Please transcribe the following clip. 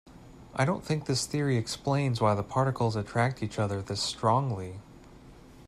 I don't think this theory explains why the particles attract each other this strongly.